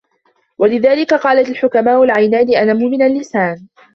وَلِذَلِكَ قَالَتْ الْحُكَمَاءُ الْعَيْنَانِ أَنَمُّ مِنْ اللِّسَانِ